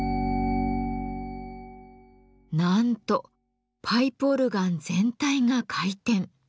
なんとパイプオルガン全体が回転。